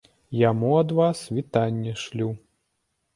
Яму ад вас вітанне шлю.